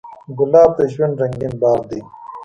ګلاب د ژوند رنګین باب دی.